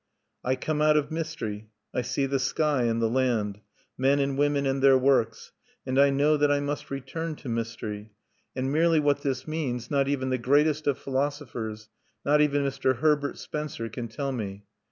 I come out of mystery; I see the sky and the land, men and women and their works; and I know that I must return to mystery; and merely what this means not even the greatest of philosophers not even Mr. Herbert Spencer can tell me.